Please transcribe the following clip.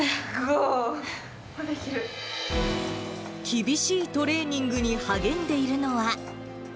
厳しいトレーニングに励んでいるのは。